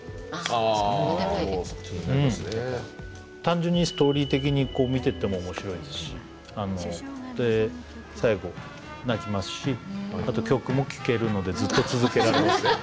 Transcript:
単純にストーリー的に見てても面白いですし最後泣きますしあと曲も聴けるのでずっと続けられますね。